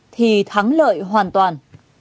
thì thắng lợi hoàn toàn